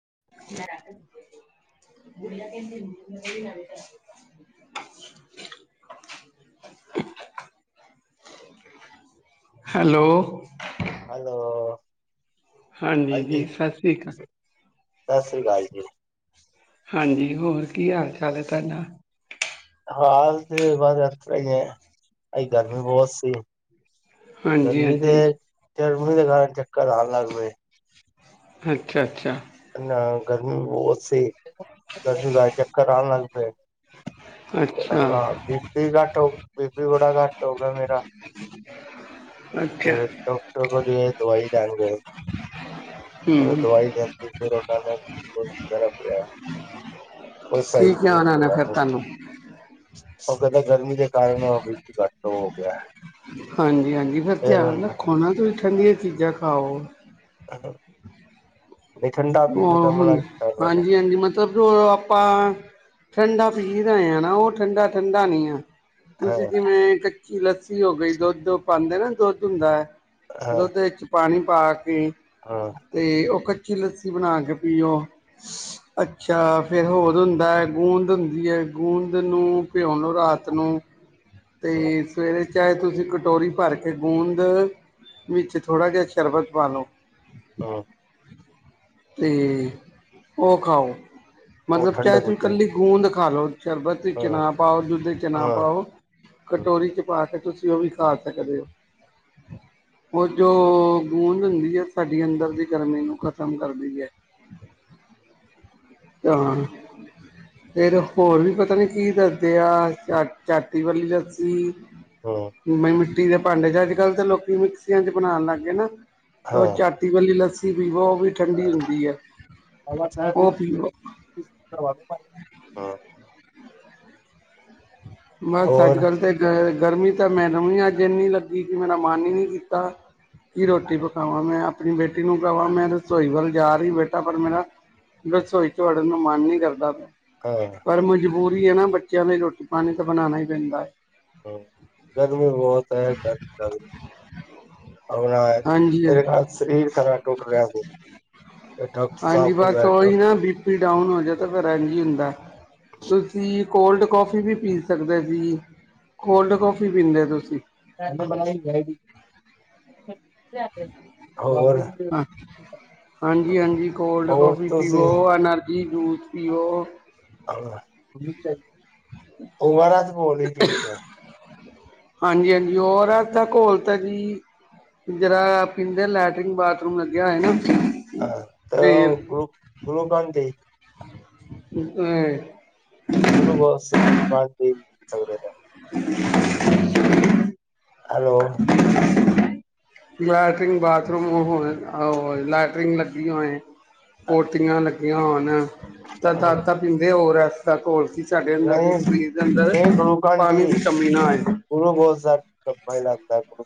ਲ [inaudible] [inaudible] hello. Hello. ਹਾਂਜੀ ਜੀ ਸਤਿ ਸ੍ਰੀ ਅਕਾਲ। ਸਤਿ ਸ੍ਰੀ ਅਕਾਲ ਜੀ ਹਾਂਜੀ, ਹੋਰ ਕੀ ਹਾਲ- ਚਾਲ ਹੈ ਤੁਹਾਡਾ। ਹਾਲ ਤੇ ਬਹੁਤ ਅੱਛੇ ਨੇ ਹੀ ਏਂ, ਅ ਗਰਮੀ ਬਹੁਤ ਸੀ। ਹਾਂਜੀ ਗਰਮੀ ਦੇ ਹਾਂਜੀ ਗਰਮੀ ਦੇ ਕਾਰਨ, ਚੱਕਰ ਆਣ ਲੱਗ ਪਏ। ਅੱਛਾ ਅੱਛਾ। ਨਾ ਗਰਮੀ ਬਹੁਤ ਸੀ, ਗਰਮੀ ਕ ਚੱਕਰ ਆਉਣ ਲਗ ਪਏ। ਅੱਛਾ ਘਬਰਾਹਟ ਜਿਹੀ, ਬੀ ਪੀ ਬੜਾ ਘੱਟ ਹੋ ਗਿਆ ਮੇਰਾ। ਹ [inaudible] ਫਿਰ ਡਾਕਟਰ ਕੋ ਜੋ ਹੈ ਦਵਾਈ ਲੈਨ ਗਏ। ਹਮ ਦਵਾਈ ਲਿਆਂਦੀ ਫਿਰ ਉਹਨਾਂ ਨੇ ਕੀ ਸਾਈ ਤੇ ਧਿਆਨ ਆਣਾ ਹੋਇਆ ਫਿਰ ਹੈ ਤੁਹਾਨੂੰ [unintelligible] ਉਹ ਕੇਂਨਦੇ, ਗਰਮੀ ਦੇ ਕਾਰਨ ਉਹ ਬੀਪੀ ਘੱਟ ਹੋ ਗਿਆ ਹੈ। ਹਾਂਜੀ -ਹਾਂਜੀ ਫਿਰ ਧਿਆਨ ਰੱਖੋ ਨਾ, ਤੁਸੀਂ ਠੰਡੀਆਂ ਚੀਜ਼ਾਂ ਖਾਓ। ਹਹੋ [unintelligible] ਹ ਹਾਂਜੀ ਹਾਂਜੀ ਮਤਲਬ ਜੋ ਆਪਾਂ ਠੰਡਾ ਫੀਦਾ ਆ ਨਾ, ਉਹ ਠੰਡਾ- ਠੰਡਾ ਨੀ ਆ, ਹਾਂ ਤੁਸੀਂ ਜਿਵੇਂ ਕੱਚੀ ਲੱਸੀ ਹੋ ਗਈ ਦੁੱਧ ਪਾਂਦੇ ਨਾ, ਦੁੱਧ ਹੁੰਦੈ ਹੈ ਹਾਂ, ਦੁੱਧ ਵਿੱਚ ਪਾਣੀ ਪਾ ਕੇ। ਹਾਂ, ਤੇ ਉਹ ਕੱਚੀ ਲੱਸੀ ਬਣਾ ਕੇ ਪੀਓ, ਅੱਛਾ ਫੇਰ ਹੋਰ ਹੁੰਦੈ, ਗੂੰਦ ਹੁੰਦੀ ਏ, ਗੂੰਦ ਨੂੰ ਭਿਓ ਨੂੰ ਰਾਤ ਨੂੰ, ਹਾਂ, ਤੇ ਸਵੇਰੇ ਚਾਹੇ ਤੁਸੀਂ ਕਟੋਰੀ ਭਰ ਕੇ ਗੂੰਦ, ਵਿੱਚ ਥੋੜ੍ਹਾ ਜਿਹਾ ਸ਼ਰਬਤ ਪਾ ਲਉ। ਆਹ [inaudible] ਤੇ ਉਹ ਖਾਓ, ਉਹ ਮਤਲਬ ਚਾਹੇ ਤੁਸੀਂ ਕੱਲੀ ਗੂੰਦ ਖਾ ਲੋ ਸ਼ਰਬਤ ਚ ਹਾਂ, ਨਾ ਪਾਓ ਦੁੱਧ ਚ ਨਾ ਹਾਂ, ਪਾਓ ਹਾਂ, ਕਟੋਰੀ ਚ ਪਾਓ। ਤਾਂ ਕੇ ਤੁਸੀਂ ਉਹ ਵੀ ਖਾ ਸਕਦੇ ਓ। [unintelligible] ਓ ਜੋ ਗੂੰਦ ਹੁੰਦੀ ਐ, ਸਾਡੀ ਅੰਦਰ ਦੀ ਗਰਮੀ ਨੂੰ ਖ਼ਤਮ ਕਰਦੀ ਹੈ। [unintelligible] ਆਹ ਫਿਰ ਹੋਰ ਵੀ ਪਤਾ ਨੀ ਕੀ ਦੱਸਦੇ ਆ, ਚਾ ਚਾਤੀ ਵਾਲੀ ਲੱਸੀ ਹਾਂ, ਮਿੱਟੀ ਦੇ ਭਾਂਡੇ ਚ ਅੱਜ, ਕੱਲ੍ਹ ਤਾਂ ਲੋਕੀ ਮਿਕਸੀਆਂ ਚ ਬਣਾਉਣ ਲੱਗ ਗਏ ਨਾ। ਉਹ ਹਾਂ। ਜਾਤੀ ਵਾਲੀ ਲੱਸੀ ਪੀਵੋ ਉਹ ਵੀ ਠੰਡੀ ਹੁੰਦੀ ਐ, ਉਹ ਪੀਵੋ। ਹਮ [inaudible] ਬਸ ਅੱਜ ਹੋਰ ਕਲ ਹਾਂ, ਤਾਂ ਗ ਗਰਮੀ ਤਾਂ ਆਪਣੀ ਬੇਟੀ ਨੂੰ ਕਵਾ ਮੈਂ ਰਸੋਈ ਵੱਲ ਜਾ ਰਹੀ ਬੇਟਾ ਪਰ ਮੇਰਾ ਰਸੋਈ ਚ ਬੜਨ ਨੁੰ ਮਨ ਨੀ ਕਰਦਾ ਪ ਹਾਂ ਪਰ ਮਜਬੂਰੀ ਹੈ ਨਾ ਬੱਚਿਆਂ ਲਈ ਰੋਟੀ ਪਾਣੀ ਤਾਂ ਬਣਾਣਾ ਹੀ ਪੈਂਦਾ ਹੈ। ਹਾਂ ਗਰਮੀ ਬਹੁਤ ਹੈ ਗਰ ਗਰ ਨਾਂ ਹਾਂਜੀ ਹਾਂ ਚ ਸਰੀਰ ਟੂਟ ਰਿਹਾ। ਡਾਕਟਰ ਸਾਹਿਬ ਹਾਂਜੀ ਕੋ ਬਸ ਗੈਠਡ ਉਹੀ ਨਾ ਬੀਪੀ ਡਾਊਨ ਹੋ ਜਾ ਤਾਂ ਫਿਰ ਰੇਡ ਹੁੰਦਾ ਤੁਸੀਂ ਕੋਲਡ ਕੌਫੀ ਵੀ ਪੀ ਸਕਦੇ ਸੀ ਕੋਲਡ ਕੌਫੀ ਪੀਂਦੇ ਹੋ ਤੁਸੀਂ ਉਹਨੇ ਬਣਾਈ ਜਾਏਗੀ। ਹੋਰ ਹਾਂਜੀ-ਹਾਂਜੀ ਕੋਲਡ ਹੋਰ ਕਾਫੀ ਪੀਓ ਤੁਸੀਂ ਐਨਰਜੀ ਜੂਸ ਪੀਓ ਤੇ ਬੋਲ ਹੀ ਪੀ ਕੇ ਹਾਂਜੀ-ਹਾਂਜੀ ਔਰ ਦਾ ਘੋਲ ਤਾਂ ਜੀ ਜਿਹਰਾ ਪੀਂਦੇ ਲੈਟਰਿਨ ਬਾਥਰੂਮ ਲੱਗਿਆ ਹੈ ਨਾ ਹਾਂ ਫੇਰ ਗੂ ਗੁਰੂਕੋਲ ਡੀ ਅ ਲ ਬਸਨ ਬਾਦ ਨਹੀਂ ਸਕਦੇ। [inaudible] ਹੈਲੋ, ਲੈਟਰਟਰਿਨ ਬਾਥਰੂਮ ਉਹ ਲੈਟਰਿਨ ਲੱਗੀ ਹੋਏ। ਪੋਟੀਆਂ ਲੱਗੀਆਂ ਹੋਣ ਤਾਂ ਤਾਂ ਪੀਂਦੇ ਹੋਰ ਇਸ ਤਰਾ ਸਾਡੇ ਅੰਦਰ ਨਹੀਂ ਸਰੀਰ ਦੇ ਅੰਦਰ ਪਾਣੀ ਦੀ ਕਮੀ ਨਾ ਆਏ ਉਹਨੂੰ ਬਹੁਤ ਸਾਰਾ ਡੱਬਾ ਹੀ ਲੱਗਦਾ ਗ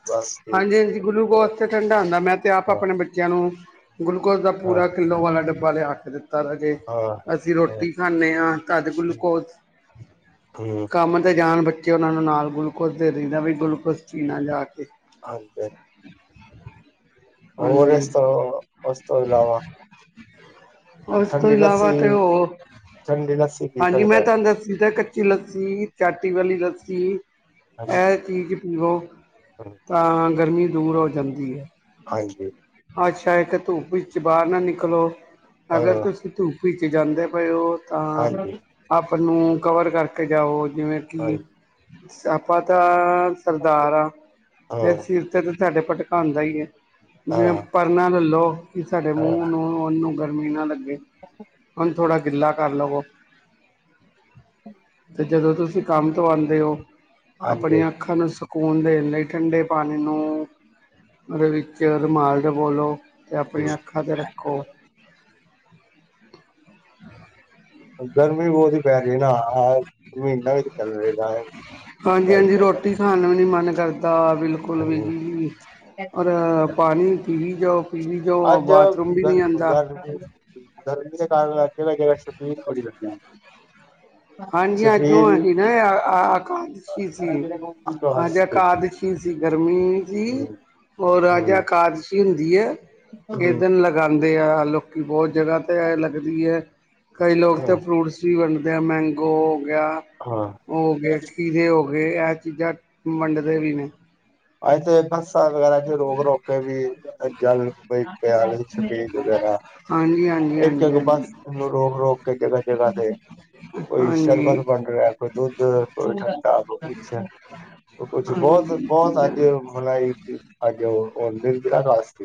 ਹਾਂਜੀ-ਹਾਂਜੀ ਗੁਲੂਕੋਜ਼ ਤੇ ਠੰਡਾ ਹੁੰਦਾ ਮੈਂ ਤੇ ਆਪ ਆਪਣੇ ਬੱਚਿਆਂ ਨੂੰ ਗਲੂਕੋਜ਼ ਦਾ ਹਾਂ ਪੂਰਾ ਹਾਂ ਕਿੱਲੋ ਵਾਲਾ ਡੱਬਾ ਲਿਆ ਕੇ ਦਿੱਤਾ। ਤ ਜ ਅਸੀਂ ਹਾਂ ਰੋਟੀ ਖਾਂਦੇ ਹਾਂ ਤਦ ਗਲੂਕੋਸ। ਹਮ ਕੰਮ ਤੇ ਜਾਣ ਬੱਚੇ ਉਹਨਾਂ ਨੂੰ ਨਾਲ ਗਲੂਕੋਜ ਦੇ ਦਹਿੰਦਾ ਵੀ ਗਲੂਕੋਜ ਪੀਣਾ ਜਾ ਕੇ, ਹਾਂਜੀ, ਹੋ ਹਾਂਜੀ ਰਸ ਉਸ ਤੋਂ ਇਲਾਵਾ ਉਸ ਤੋਂ ਠੰਡੀ ਲੱਸੀ ਇਲਾਵਾ ਤਾਂ ਉਹ ਠੰਡੀ ਲੱਸੀ ਪੀ ਹਾਂਜੀ ਮੈਂ ਸਕਦਾ ਤੁਹਾਨੂੰ ਦਸੀ ਤਾਂ ਕੱਚੀ ਲੱਸੀ ਚਾਟੀ ਵਾਲੀ ਲੱਸੀ ਚੀ ਹਾਂਜੀ ਇਹ ਚੀਜ਼ ਪੀਵੋ ਹਾਂ ਤਾਂ ਗਰਮੀ ਦੂਰ ਹੋ ਜਾਂਦੀ ਹੈ। ਹਾਂਜੀ, ਅੱਛਾ ਇੱਕ ਧੂਪ ਵਿੱਚ ਬਾਹਰ ਨਾ ਨਿਕਲੋ ਅਗਰ ਤੁਸੀਂ ਧੂੱਪ ਵਿੱਚ ਜਾਂਦੇ ਪਏ ਹੋ। ਤਾਂ ਹਾਂਜੀ ਆਪ ਨੂੰ ਕਵਰ ਕਰਕੇ ਜਾਓ ਜਿਵੇਂ ਹਾਂ ਕਿ, ਆਪਾਂ ਤਾਂ ਸਰਦਾਰ ਆ ਤੇ ਸਿਰ ਤੇ ਤੇ ਸਾਡੇ ਭਟਕਾ ਹੁੰਦਾ ਹੀ ਆ ਜਿਵੇਂ ਹਾਂ ਪਰ ਨਾ ਲੈ ਲਉ ਕਿ ਸਾਡੇ ਹਾਂ ਮੂੰਹ ਨੂੰ ਉਹਨੂੰ ਗਰਮੀ ਨਾ ਲੱਗੇ ਹੁਣ, ਥੋੜਾ ਗਿੱਲਾ ਕਰ ਲੋ, ਹੂੰ, ਜਦੋਂ ਤੁਸੀਂ ਕੰਮ ਤੋਂ ਆਦੇ ਹੋ ਹਾਂਜੀ ਆਪਣੀਆਂ ਅੱਖਾਂ ਨੂੰ ਸਕੂਨ ਦੇਣ ਲਈ ਠੰਡੇ ਪਾਣੀ ਨੂੰ ਉਹਦੇ ਵਿੱਚ ਚਿਰ ਰ ਮਾਲ ਦੇ ਬੋਲੋ ਅਤੇ ਆਪਣੀਆਂ ਅੱਖਾਂ 'ਤੇ ਰੱਖੋ। [unintelligible] ਗਰਮੀ ਬਹੁਤ ਹੀ ਪੈ ਰਹੀ ਨਾ ਮਹੀਨਾ ਵੀ, ਚਨਰੇਗਾ ਹੈਈ ਦਾ ਬਿਲਕੁਲ ਵੀ ਜੀ ਔਰ ਪਾਣੀ ਪੀ ਜਾਓ ਪੀਵੀ ਜਾਓ ਅੱਜ ਬਾਥਰੂਮ ਵੀ ਗਰ ਨਹੀਂ ਆਂਦਾ। ਗਰਮੀ-ਗਰਮੀ ਜਾ ਜਗਾ ਸ਼ਪਦੇ ਹਾਂਜੀ ਅੱਜ ਔ ਸੀ ਨੇ ਇਕਾਰਸੀ ਸੀ ਅੱਜ ਵਾਸਤੇ ਅਕਾਦਸ਼ੀ ਸੀ ਗਰਮੀ ਸੀ ਹੂੰ ਔਰ ਅੱਜ ਹੂੰ ਅਕਾਦਸ਼ੀ ਦੀ ਹੈ ਇਹ ਹੂੰ ਦਿਨ ਲਗਾਉਂਦੇ ਆ ਲੋਕੀ ਬਹੁਤ ਜਗ੍ਹਾ ਤੇ ਲੱਗਦੀ ਹੈ ਕਈ ਲੋਕ ਤਾਂ ਹਾਂ ਫਰੂਟਸ ਵੀ ਵੰਡਦੇ ਆ ਮੈਂਗੋ ਹੋ ਗਿਆ ਹਾਂ ਹੋ ਗਏ ਖੀਰੇ ਹੋ ਗਏ। ਇਹ ਚੀਜ਼ਾਂ ਵੰਡਦੇ ਵੀ ਨੇ ਅੱਜ ਤੇ ਬੱਸਾਂ ਵਗੈਰਾ ਚ ਰੋਕ ਰੋਕ ਕੇ ਵੀ ਜਲ ਪਿਆ। ਛਬੀਲ ਵਗੈਰਾ ਹਾਂਜੀ ਹਾਂਜੀ ਇੱਕ ਹਾਂਜੀ ਇੱਕ ਬਸ ਹਾਂਜੀ ਨੂੰ ਰੋਕ ਰੋਕ ਕੇ ਜਗ੍ਹਾ ਜਗ੍ਹਾ ਤੇ ਕੋਈ ਸ਼ਰਬਤ ਹਾਂਜੀ ਵੰਡ ਰਿਹਾ ਕੋਈ ਦੁੱਧ ਕੋਈ ਠੰਡਾ ਕੋਈ ਕੁਛ ਕੁਛ ਬਹੁਤ ਹਾਂਜੀ ਬਹੁਤ ਅ ਮ ਇਹ ਔਨਨ ਲ ਕਸ [inaudible]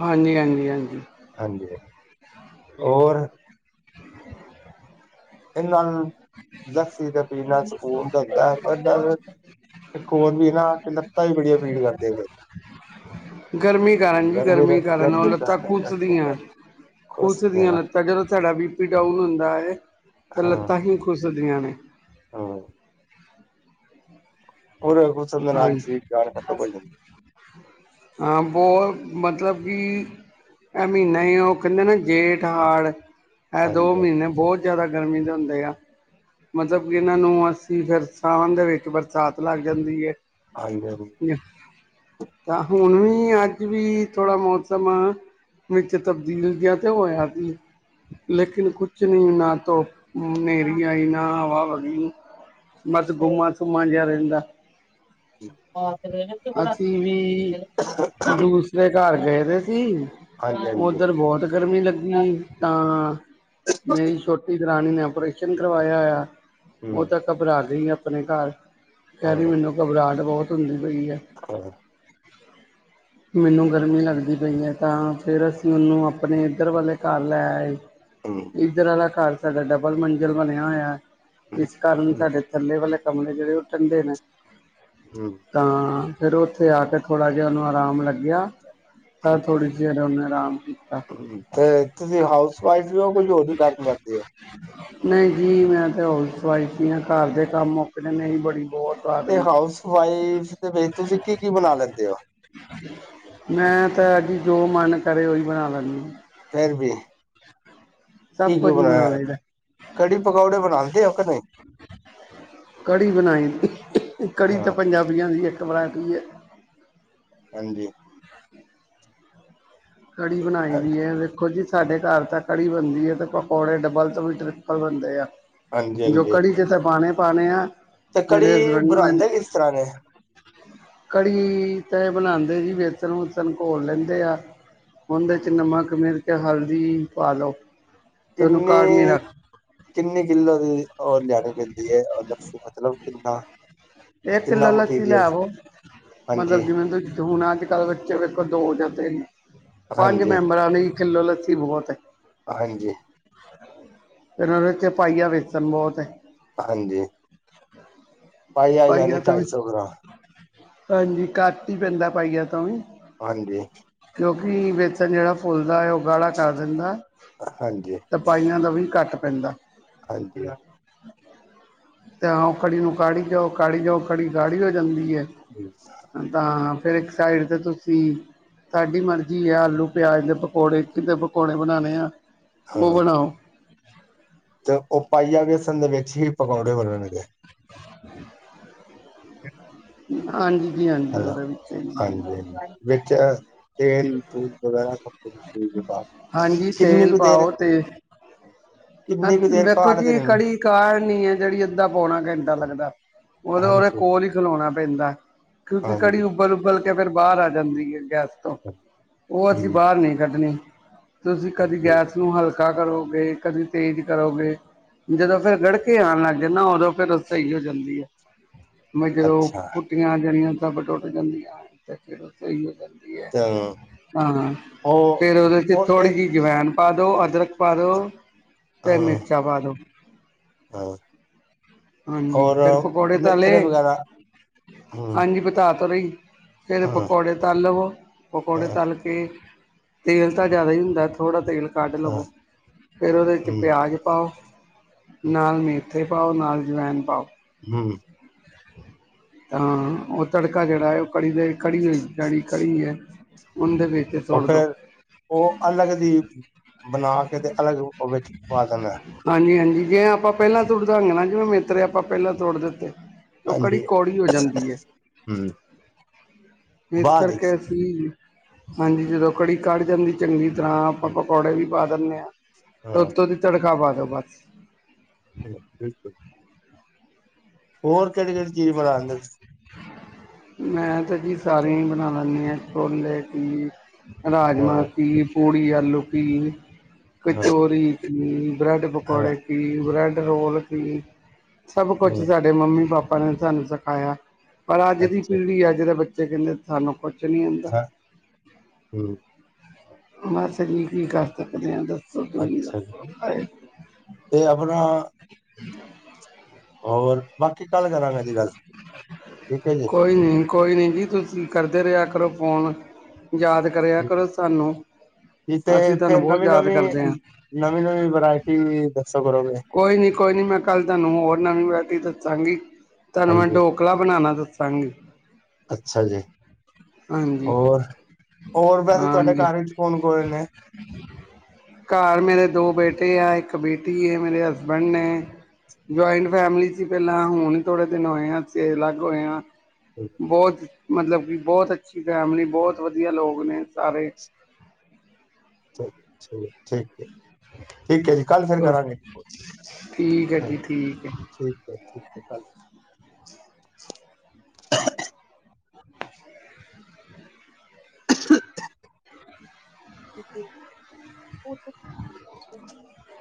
ਹਾਂਜੀ ਹਾਂਜੀ ਹਾਂਜੀ ਹਾਂਜੀ ਹੋਰ ਇਹਨਾਂ ਜ਼ਖਸੀ ਤੇ ਪੀਣਾ ਸਕੂਨ ਦਿੰਦਾ ਹੈ ਪਰ ਇੱਕ ਹੋਰ ਵੀ ਨਾ ਕਿ ਲੱਤਾਂ ਵੀ ਬੜੀਆਂ ਪੀੜ ਕਰਦੀ ਆ ਪਈਆਂ ਗਰਮੀ ਕਾਰਨ ਜੀ ਗਰਮੀ ਕਾਰਨ ਉਹ ਗਰਮੀ ਲੱਤਾਂ ਕੂਚਦੀਆਂ। ਕੁਛ ਖੁਸ ਦੀਆਂ ਦੇਣਾ ਲੱਤਾਂ ਜਦੋਂ ਸਾਡਾ ਬੀ ਪੀ ਡਾਊਨ ਹੁੰਦਾ ਹੈ। ਤੇ ਹਾਂ ਲੱਤਾਂ ਹੀ ਖੁਸਦੀਆਂ ਨੇ? ਹਾਂ ਹੋਰ ਕੁਛ ਸਮਝ ਹਾਂ ਨਾਲ ਜੀ ਸਰੀਰ ਜਾਨ ਖਤਮ ਹੋ ਜਾਂਦੀ ਹਾਂ ਬਹੁਤ ਮਤਲਬ ਕਿ ਇਹ ਮਹੀਨਾ ਹੀ ਉਹ ਕਹਿੰਦੇ ਨਾ ਜੇਠ ਹਾੜ ਇਹ ਦੋ ਹਾਂਜੀ ਮਹੀਨੇ ਬਹੁਤ ਜ਼ਿਆਦਾ ਗਰਮੀ ਦੇ ਹੁੰਦੇ ਆ। ਮਤਲਬ ਕਿ ਇਹਨਾਂ ਨੂੰ ਅੱਸੀ ਫਿਰ ਸਾਵਣ ਦੇ ਵਿੱਚ ਬਰਸਾਤ ਲੱਗ ਜਾਂਦੀ ਹਾਂਜੀ ਹਾਂਜੀ ਹਾਂਜੀ ਹੈ। ਤਾਂ ਹੁਣ ਵੀ ਅੱਜ ਅਜ ਵੀ ਥੋੜਾ ਮੌਸਮ ਵਿੱਚ ਤਬਦੀਲ ਜਿਆ ਤੇ ਹੋਇਆ ਸੀ। ਲੇਕਿਨ ਕੁਛ ਨਹੀਂ ਨਾ ਤੋ ਹਨੇਰੀ ਆਈ ਨਾ ਹਵਾ ਵਗੀ ਬਸ ਗੁੰਮਾ ਸੁੁੰਮਾ ਜਿਹਾ ਰਹਿੰਦਾ। ਹ ਅਸੀਂ ਵੀ ਹਾਂ ਦੂਸਰੇ ਘਰ ਗਏ ਦੇ ਸੀ। ਹਾਂ ਉੱਧਰ ਬਹੁਤ ਗਰਮੀ ਲੱਗੀ ਤਾਂ ਮੇਰੀ ਛੋਟੀ ਦਰਾਣੀ ਨੇ ਆਪ ਆਪਓਰੇਸ਼ਨ ਕਰਵਾਇਆ ਹੋਇਆ ਉਹ ਤਾਂ ਘਬਰਾ ਗਈ ਆਪਣੇ ਘਰ ਕਹਿ ਲਈ ਮੈਨੂੰ ਘਬਰਾਹਟ ਬਹੁਤ ਹੁੰਦੀ ਪਈ ਹੈ। ਕੀਚ [inaudible] ਮੈਨੂੰ ਗਰਮੀ ਲੱਗਦੀ ਪਈ ਹੈ ਤਾਂ ਫਾਈ ਅਸੀਂ ਉਹਨੂੰ ਆਪਣੇ ਇੱਧਰ ਵਾਲੇ ਘਰ ਲੈ ਆਏ। ਇਧਰ ਵਾਲਾ ਖਾਲਸਾ ਦਾ ਡਬਲ ਮੰਜ਼ਿਲ ਬਣਿਆ ਹੋਇਆ। ਇਸ ਹੂੰ ਕਾਰਨ ਹੂੰ ਸਾਡੇ ਥੱਲੇ ਵਾਲੇ ਕਮਰੇ ਜਿਹੜੇ ਉਹ ਠੰਡੇ ਨੇ। ਹੂੰ ਤਾਂ ਫਿਰ ਉੱਥੇ ਆ ਕੇ ਥੋੜ੍ਹਾ ਜਿਹਾ ਉਹਨੂੰ ਆਰਾਮ ਲੱਗਿਆ। ਸਰ ਥੋੜੀ ਚਿਰ ਮੇ ਤੇ ਤੁਸੀਂ ਹਾਊਸ ਵਾਈਫ ਵੀ ਹੋ ਕੁਝ ਹੋਰ ਵੀ ਕੰਮ ਕਰਦੇ ਹੋ। ਨਹੀਂ ਜੀ ਮੈਂ ਤਾਂ ਹਾਊਸ ਵਾਈਫ ਹੀ ਹਾਂ ਘਰ ਦੇ ਕੰਮ ਮੁੱਕਦੇ ਨੇ ਨਹੀਂ ਬੜੀ ਬਹੁਤ ਤੇ ਆਦਰੀ ਹਾਊਸ ਵਾਈਫ ਦੇ ਵਿੱਚ ਤੁਸੀਂ ਕੀ ਕੀ ਬਣਾ ਲੈਂਦੇ ਹੋ? ਮੈਂ ਤਾਂ ਅਜ ਜੋ ਮਨ ਕਰੇ ਉਹ ਓਹੀ ਬਣਾ ਲੈਂਦੀ ਹਾਂ। ਫਿਰ ਵੀ ਸਭ ਕੀ ਕੀ ਕੁਝ ਹੀ ਬਣਾ ਬਣਾਇਆ ਲਈਦਾ ਕੜੀ ਪਕੌੜੇ ਬਣਾਉਦੇ ਔ ਕਿ ਨਹੀਂ? ਕੜ੍ਹੀ ਬਣਾਈ ਕੜ੍ਹੀ ਤਾਂ ਹਾਂ ਪੰਜਾਬੀਆਂ ਦੀ ਇੱਕ ਵਰਾਇਟੀ ਹੈ। ਹਾਂਜੀ ਕੜੀ ਬਣਾਈ ਹਾਂਜੀ ਵੀ ਹੈ ਵੇਖੋ ਜੀ ਸਾਡੇ ਘਰ ਤਾਂ ਕੜੀ ਬਣਦੀ ਹੈ ਅਤੇ ਪਕੌੜੇ ਡਬਲ ਤੋਂ ਵੀ ਟ੍ਰਿੱਪਲ ਬਣਦੇ ਆ। ਜੋ ਹਾਂਜੀ ਕੜੀ ਚ ਤਾਂ ਪਾਣੇ ਪਾਉਣੇ ਆ। ਤੇ ਕੜੀ ਮੇਰੇ ਹਸਬੈਂਡ ਨੂੰ ਬਣਾਉਂਦੇ ਕਿਸ ਤਰ੍ਹਾਂ ਨੇ? ਕੜੀ ਤਾਂ ਇਹ ਬਣਾਉਂਦੇ ਜੀ ਵੇਸਣ ਵੁਸਨ ਘੋਲ ਲੈਂਦੇ ਆ। ਉਹਦੇ ਚ 'ਚ ਨਮਕ ਮਿਰਚ ਹਲਦੀ ਪਾ ਲਉ। ਕਿੰਨੇ ਕਿੰਨੇ ਕਿੱਲੋ ਤੇ ਉਹ ਲਿਆਣੀ ਪੈਂਦੀ ਐ ਲੱਸੀ ਮਤਲਬ ਕਿੰਨਾ ਇੱਕ ਕਿੱਲੋ ਕਿੰਨਾ ਲੱਸੀ ਲੈ ਮਟੀਰੀਅਲ ਆਵੋ ਹਾਂਜੀ ਮਤਲਬ ਜਿਵੇਂ ਹੁਣ ਅੱਜ ਕੱਲ੍ਹ ਬੱਚੇ ਵੇਖੋ ਦੋ ਜਾਂ ਪੰਜ ਹਾਂਜੀ ਮੈਂਬਰਾਂ ਲਈ ਇੱਕ ਕਿੱਲੋ ਲੱਸੀ ਬਹੁਤ ਹਾਂਜੀ ਫਿਰ ਉਹਦੇ ਚ ਪਾਈਆ ਵੇਸਣ ਬਹੁਤ ਐ ਹਾਂਜੀ ਭਾਈ ਆ ਜਾਣੀ ਪਾਈਆ ਤੋਂ ਢਾਈ ਵੀ ਸੌ ਗ੍ਰਾਮ ਹਾਂਜੀ ਘੱਟ ਹੀ ਪੈਂਦਾ ਪਾਈ ਤਾਂ ਹਾਂਜੀ ਕਿਉਕਿ ਵੇਤਨ ਜਿਹੜਾ ਫੁੱਲਦਾ ਹੈ ਉਹ ਗਾੜਾ ਕਰ ਦਿੰਦਾ ਹਾਂਜੀ ਤਾਂ ਪਾਈਆਂ ਦਾ ਵੀ ਘੱਟ ਪੈਂਦਾ ਹਾਂਜੀ ਤੇ ਆ ਕੜੀ ਨੂੰ ਕਾੜੀ ਜਾਓ ਕਾੜੀ ਜਾਓ ਕੜੀ ਗਾੜੀ ਹੋ ਜਾਂਦੀ ਤਾਂ ਫੇਰ ਇੱਕ ਸਾਈਡ ਤੇ ਤੁਸੀਂ ਤੁਹਾਡੀ ਮਰਜੀ ਜੀਰਾ ਆਲੂ ਪਿਆਜ ਦੇ ਪਕੌੜੇ ਕਿਦੇ ਪਕੌੜੇ ਬਣਾਣੇ ਆ ਉਹ ਬਣਾਓ ਤੇ ਉਹ ਪਾਈਆ ਬੇਸਣ ਦੇ ਵਿੱਚ ਹੀ ਪਕੌੜੇ ਬਣਨਗੇ [unintelligible] [inaudible] ਹਾਂਜੀ ਜੀ ਹਾਂਜੀ ਹਨ ਉਹਦੇ ਵਿੱਚ ਹੀ। ਹਾਂਜੀ ਹਾਂ ਵਿੱਚ ਤੇਲ ਦੂਧ ਵਗੈਰਾ ਹਾਂਜੀ [unintelligible] ਕਿੰਨੀ ਤੇਲ ਕੁ ਦੇਰ ਪਾਓ ਤੇ ਕਿੰਨੀ ਕੁ ਦੇਰ ਵੇਖੋ ਕਾੜਦੇ ਜੀ ਰਹਿਣਾ ਕੜੀ ਕਾਹਨੀ ਹੈ ਜਿਹੜੀ ਏਦਾਂ ਪਾਉਣਾ ਘੰਟਾ ਲੱਗਦਾ ਉਹ ਉਹਦੇ ਹਾਂਜੀ ਕੋਲ ਹੀ ਖਲੋਣਾ ਪੈਂਦਾ ਕਿਉਂਕਿ ਕੜੀ ਹਾਂਜੀ ਉਬਲ ਉਬਲ ਕੇ ਫਿਰ ਬਾਹਰ ਆ ਜਾਂਦੀ ਹੈ ਗੈਸ ਤੋਂ ਉਹ ਅਸੀਂ ਹੂੰ ਬਾਹਰ ਨਹੀਂ ਕੱਢਣੀ ਤੁਸੀਂ ਕਦੀ ਠੀਕ। ਗੈਸ ਨੂੰ ਹਲਕਾ ਕਰੋਗੇ ਕਦੀ ਤੇਜ ਕਰੋਗੇ ਜਦੋਂ ਫੇਰ ਗੜਕੇ ਆਣ ਲੱਗ ਜਾਣ ਨਾ ਉਦੋਂ ਫਿਰ ਸਹੀ ਹੋ ਜਾਂਦੀ ਆ ਜਦੋਂ ਅੱਛਾ ਫੁੱਟੀਆਂ ਜਾਣੀਆਂ ਤਾਂ ਟੁੱਟ ਜਾਂਦੀਆਂ ਤੇ ਫਿਰ ਸਹੀ ਹੋ ਜਾਂਦੀ ਤੇ ਹਾਂ ਉਹ ਫੇਰ ਉਹਦੇ ਚ ਉਹ ਤੇ ਥੋੜੀ ਜਿਹੀ ਜਵੈਨ ਪਾ ਦੋ ਅਦਰਕ ਪਾ ਦੋ ਅਤੇ ਮਿਰਚਾਂ ਪਾ ਦੋ ਹੋਰ ਹਾਂਜੀ ਫੇਰ ਪਕੌੜੇ ਤਲੇ ਵਗੈਰਾ ਹੂੰ ਹਾਂਜੀ [unintelligible] ਤਰੀ ਫਿਰ ਹਾਂ ਪਕੌੜੇ ਤਲ ਲਵੋ ਹਾਂ ਪਕੌੜੇ ਤਲ ਕੇ ਤੇਲ ਤਾਂ ਜਿਆਦਾ ਹੀ ਹੁੰਦਾ ਥੋੜ੍ਹਾ ਤੇਲ ਕੱਢ ਹਾਂ ਲਵੋ ਫੇਰ ਉਹਦੇ ਚ ਹੂੰ [unintelligible] ਪਾਓ ਹੂੰ ਨਾਲ ਮੇਥੇ ਪਾਓ ਨਾਲ ਜਵਾਇਨ ਪਾਓ ਹੂੰ ਤਾਂ ਉਹ ਤੜਕਾ ਜਿਹੜਾ ਉਹ ਕੜੀ ਦੇ ਕੜੀ ਓਹੀ ਜਾਣੀ ਕੜੀ ਹੈ ਉਹਦੇ ਵਿੱਚ ਉਹ ਸੁੱਟ ਦਿਉ ਫੇਰ ਉਹ ਅਲੱਗ ਦੀ ਬਣਾ ਕੇ ਤੇ ਅਲੱਗ ਉਹ ਵਿੱਚ ਪਾ ਦੇਣਾ ਹਾਂਜੀ ਹਾਂਜੀ ਜੇ ਆਪਾਂ ਪਹਿਲਾਂ [unintelligible] ਜਿਵੇਂ ਮੇਤਰੇ ਆਪਾਂ ਪਹਿਲਾਂ ਤੋੜ ਦਿੱਤੇ ਉਹ ਕੜੀ ਹਾਂਜੀ ਕੌੜੀ ਹੋ ਜਾਂਦੀ ਹੈ ਹੂੰ ਇਸ ਬਾਅਦ ਕਰਕੇ ਵਿੱਚ ਅਸੀਂ ਹਾਂਜੀ ਜਦੋਂ ਕੜੀ ਕਢ ਜਾਂਦੀ ਚੰਗੀ ਜਿਸ ਤਰ੍ਹਾਂ ਆਪਾਂ ਹੂੰ ਪਕੌੜੇ ਵੀ ਪਾ ਦਿੰਦੇ ਹਾਂ ਤੇ ਹਾਂ ਉੱਤੋਂ ਦੀ ਤੜਕਾ ਪਾ ਦੋ ਬਸ ਹਾਂ ਬਿਲਕੁਲ ਹੋਰ ਕਿਹੜੀ ਕਿਹੜੀ ਚੀਜ਼ ਬਣਾ ਲੈਂਦੇ ਤੁਸੀਂ ਮੈਂ ਤਾਂ ਜੀ ਸਾਰੀਆਂ ਹੀ ਬਣਾ ਲੈਂਦੀ ਹਾਂ ਛੋਲੇ ਕੀ ਹਾਂ ਰਾਜਮਾਹ ਕੀ ਪੂ ਰੀ ਆਲੂ ਕੀ ਕਚੋਰੀ ਕੀ ਬ੍ਰੈਡ ਪਕੌੜੇ ਕੀ ਬ੍ਰੈਡ ਰੋਲ ਪੀ ਸਭ ਕੁਛ ਸਾਡੇ ਮੰਮੀ ਪਾਪਾ ਨੇ ਸਾਨੂੰ ਸਿਖਾਇਆ ਪਰ ਅੱਜ ਦੀ ਅੱਛਾ ਜੀ, ਪੀੜ੍ਹੀ ਆ ਅੱਜ ਦੇ ਬੱਚੇ ਕਹਿੰਦੇ ਸਾਨੂੰ ਕੁਛ ਨੀ ਆਉਂਦਾ ਹਾਂ ਹੂੰ, ਬਸ ਜੀ ਕੀ ਕਰ ਸਕਦੇ ਹਾਂ ਦੱਸ ਅੱਛਾ ਜੀ ਤੇ ਆਪਣਾ ਹੂੰ ਹੋਰ ਬਾਕੀ ਕੱਲ੍ਹ ਕਰਾਂਗੇ ਜੀ ਗੱਲ ਠੀਕ ਹੈ ਜੀ ਕੋਈ ਨੀ ਕੋਈ ਨੀ ਜੀ ਤੁਸੀਂ ਕਰਦੇ ਰਿਹਾ ਕਰੋ ਫੋਨ ਯਾਦ ਕਰਿਆ ਕਰੋ ਸਾਨੂੰ ਤੇ ਅਸੀਂ ਤੁਹਾਨੂੰ ਫੇਰ ਬਹੁਤ ਨਵੀਂ ਯਾਦ ਨਵੀਂ ਕਰਦੇ ਆ। ਨਵੀਂ ਨਵੀਂ ਵਰਾਇਟੀ ਵੀ ਦਸ ਕੋਈ ਨੀ ਕੋਈ ਨੀ ਮੈਂ ਕੱਲ ਤੁਹਾਨੂੰ ਹੋਰ ਨਵੀਂ ਵਰਾਇਟੀ ਦੱਸਾਂਗੀ ਤੁਹਾਨੂੰ ਮੈਂ ਹਾਂਜੀ ਡੋਕਲਾ ਬਣਾਉਣਾ ਦੱਸਾਂਗੀ ਅੱਛਾ ਜੀ ਹਾਂਜੀ ਹੋਰ ਹੋਰ ਵੈਸੇ ਤੁਹਾਡੇ ਹਾਂਜੀ। ਘਰ ਵਿਚ ਕੌਣ ਕੋੌਣ ਨੇ ਘਰ ਮੇਰੇ ਦੋ ਬੇਟੇ ਆ ਇੱਕ ਬੇਟੀ ਹੈ ਮੇਰੇ ਹਸਬੈਂਡ ਨੇ ਜੁਆਇੰਟ ਫੈਮਲੀ ਸੀ ਪਹਿਲਾਂ ਹੁਣ ਥੋੜੇ ਦਿਨ ਹੋਏ ਆਸੀ ਅਲੱਗ ਹੋਏ ਆ ਬਹੁਤ ਮਤਲਬ ਕਿ ਬਹੁਤ ਅੱਛੀ ਫੈਮਿਲੀ ਬਹੁਤ ਵਧੀਆ ਲੋਕ ਨੇ ਸਾਰੇ ਚਲ ਠੀਕ ਠੀਕ ਹੈ ਜੀ ਕੱਲ ਫਿਰ ਚਲੋ ਕਰਾਂਗੇ ਕੋਲ ਠੀਕ ਹੈ ਜੀ ਠੀਕ ਹੈ ਠੀਕ ਹੈ [unintelligible] [inaudible]